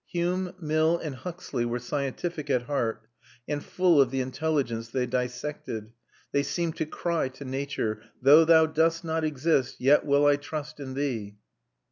Hume, Mill, and Huxley were scientific at heart, and full of the intelligence they dissected; they seemed to cry to nature: Though thou dost not exist, yet will I trust in thee.